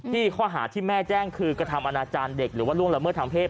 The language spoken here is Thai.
ข้อหาที่แม่แจ้งคือกระทำอนาจารย์เด็กหรือว่าล่วงละเมิดทางเพศ